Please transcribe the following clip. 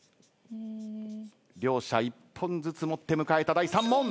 両者一本ずつ持って迎えた第３問。